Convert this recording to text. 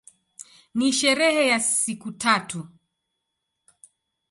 Ni sherehe ya siku tatu.